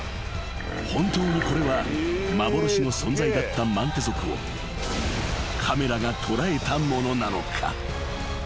［本当にこれは幻の存在だったマンテ族をカメラが捉えたものなのか？］